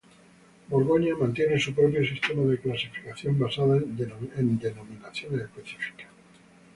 Borgoña mantiene su propio sistema de clasificación basada en denominaciones específicas.